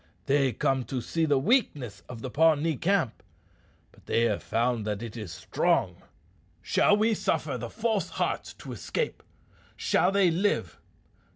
They come to see the weakness of the Pawnee camp; but they have found that it is strong. Shall we suffer the false hearts to escape? Shall they live?